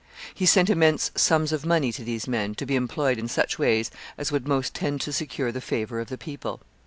He sent immense sums of money to these men, to be employed in such ways as would most tend to secure the favor of the people.